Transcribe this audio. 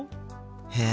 へえ。